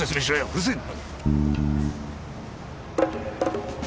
うるせえ！